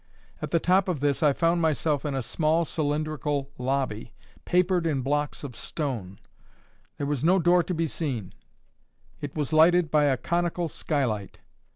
At the top of this I found myself in a small cylindrical lobby, papered in blocks of stone. There was no door to be seen. It was lighted by a conical skylight.